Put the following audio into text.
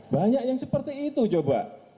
banyak yang seperti itu coba